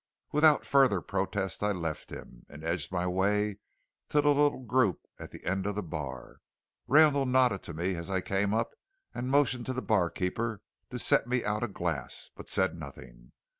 Without further protest I left him, and edged my way to the little group at the end of the bar. Randall nodded to me as I came up, and motioned to the barkeeper to set me out a glass, but said nothing.